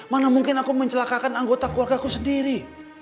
mana mungkin aku mencelakakan anggota keluarga aku sendiri